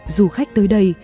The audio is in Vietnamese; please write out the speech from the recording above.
du khách tới đây